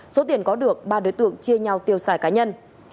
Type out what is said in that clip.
số tiền có được ba đối tượng chia nhau tiêu xài cá nhân